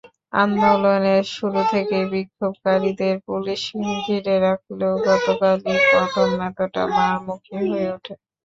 আন্দোলনের শুরু থেকেই বিক্ষোভকারীদের পুলিশ ঘিরে রাখলেও গতকালই প্রথম এতটা মারমুখী হয়ে ওঠে।